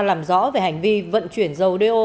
làm rõ về hành vi vận chuyển dầu do